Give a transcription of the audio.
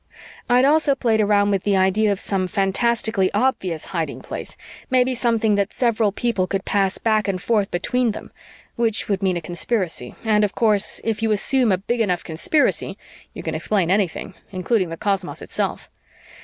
I'd also played around with the idea of some fantastically obvious hiding place, maybe something that several people could pass back and forth between them, which would mean a conspiracy, and, of course, if you assume a big enough conspiracy, you can explain anything, including the cosmos itself.